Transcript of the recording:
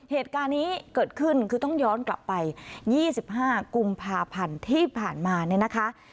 เหตุการณ์นี้เกิดขึ้นคือต้องย้อนกลับไป๒๕กุมภาพันธ์ที่ผ่านมาเนี่ยนะคะ